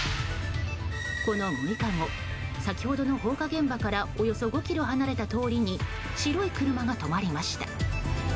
この６日後先ほどの放火現場からおよそ５ｋｍ離れた通りに白い車が止まりました。